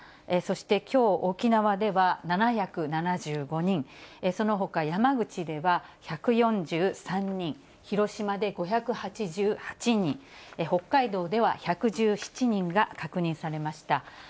そしてきょう、沖縄では７７５人、そのほか山口では１４３人、広島で５８８人、北海道では１１７人が確認されました。